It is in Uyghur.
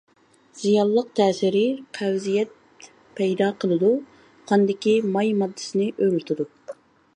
زىيانلىق تەسىرى قەۋزىيەت پەيدا قىلىدۇ، قاندىكى ماي ماددىسىنى ئۆرلىتىدۇ.